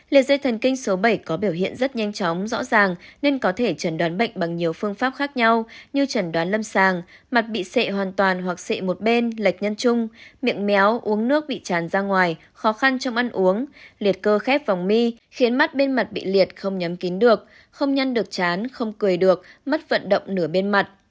liệt dây thần kinh số bảy có biểu hiện rất nhanh chóng rõ ràng nên có thể chẩn đoán bệnh bằng nhiều phương pháp khác nhau như chẩn đoán lâm sàng mặt bị sệ hoàn toàn hoặc sệ một bên lệch nhân trung miệng méo uống nước bị chán ra ngoài khó khăn trong ăn uống liệt cơ khép vòng mi khiến mắt bên mặt bị liệt không nhắm kín được không nhăn được chán không cười được mắt vận động nửa bên mặt